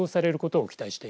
はい。